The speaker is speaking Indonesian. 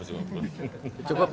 cukup ya cukup